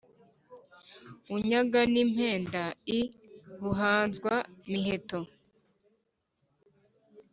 unyaga n'impenda i bubanzwa-miheto.